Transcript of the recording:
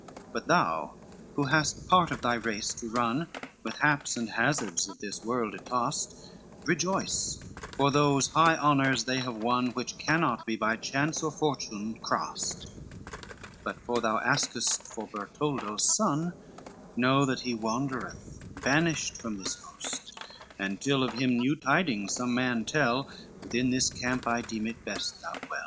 XLV "But thou who hast part of thy race to run, With haps and hazards of this world ytost, rejoice, for those high honors they have won, Which cannot be by chance or fortune crossed: But for thou askest for Bertoldo's son, Know, that he wandereth, banished from this host, And till of him new tidings some man tell, Within this camp I deem it best thou dwell."